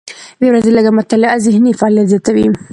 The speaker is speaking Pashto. د ورځې لږه مطالعه ذهني فعالیت زیاتوي.